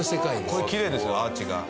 これきれいですよアーチが。